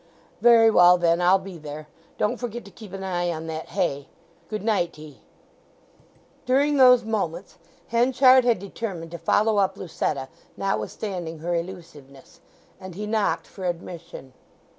"Very well, then I'll be there. Don't forget to keep an eye on that hay. Good night t' 'ee." During those moments Henchard had determined to follow up Lucetta notwithstanding her elusiveness, and he knocked for admission.